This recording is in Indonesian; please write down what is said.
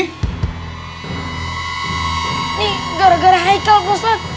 nih gara gara haikal posat